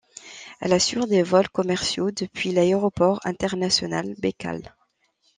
Elle assure des vols commerciaux depuis l'aéroport international Baïkal..